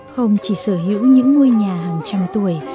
không chỉ sở hữu những ngôi nhà hàng trăm tuổi